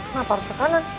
kenapa harus ke kanan